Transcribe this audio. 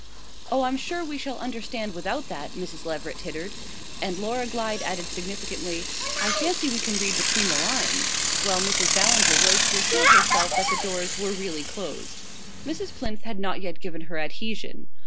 "Oh, I'm sure we shall understand without that," Mrs. Leveret tittered; and Laura Glyde added significantly: "I fancy we can read between the lines," while Mrs. Ballinger rose to assure herself that the doors were really closed. Mrs. Plinth had not yet given her adhesion.